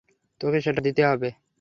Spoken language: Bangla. তোকে সেটা দিতে হবে।